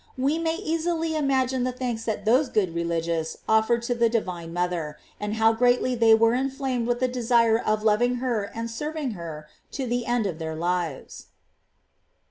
We may easily imagine the thanks that those good relig ious offered to the divine mother, and how greatly they were inflamed with the desire of loving her and serving her to the end of their lives.